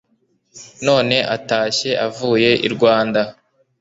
none atashye atuye i rwanda